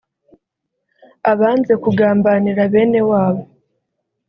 abanze kugambanira bene wabo